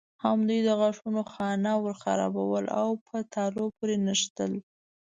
همدوی د غاښونو خانه ورخرابول او په تالو پورې نښتل.